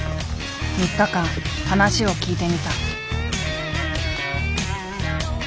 ３日間話を聞いてみた。